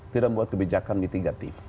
tidak membuat kebijakan mitigatif